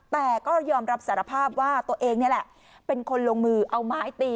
แต่ก็ยอมรับสารภาพว่าตัวเองนี่แหละเป็นคนลงมือเอาไม้ตี